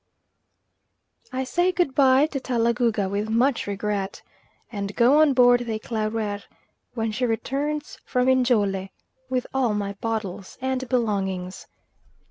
I say good bye to Talagouga with much regret, and go on board the Eclaireur, when she returns from Njole, with all my bottles and belongings.